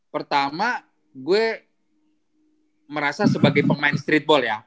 pertama gue merasa sebagai pemain streetball ya